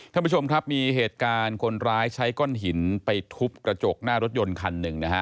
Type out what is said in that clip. ท่านผู้ชมครับมีเหตุการณ์คนร้ายใช้ก้อนหินไปทุบกระจกหน้ารถยนต์คันหนึ่งนะฮะ